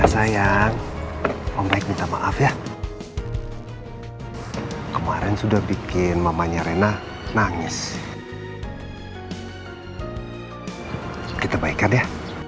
sayang membaik minta maaf ya kemarin sudah bikin mamanya rena nangis kita baikkan ya